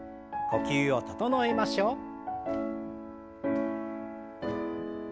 呼吸を整えましょう。